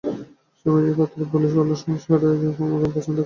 স্বামীজীর পত্রাবলীর বাংলা সংস্করণ ক্রমে ক্রমে পাঁচ খণ্ডে প্রকাশিত হইয়াছিল।